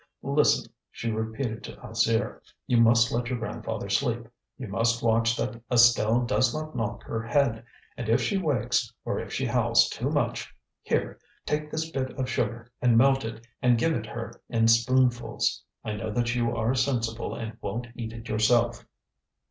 "Listen!" she repeated to Alzire. "You must let your grandfather sleep; you must watch that Estelle does not knock her head; and if she wakes, or if she howls too much, here! take this bit of sugar and melt it and give it her in spoonfuls. I know that you are sensible and won't eat it yourself."